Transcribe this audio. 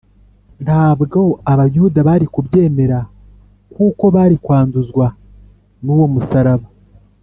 ntabwo abayuda bari kubyemera kuko bari kwanduzwa n’uwo musaraba,